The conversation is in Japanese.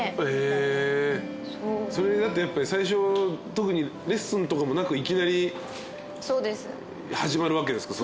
それでだってやっぱ最初特にレッスンとかもなくいきなり始まるわけですか？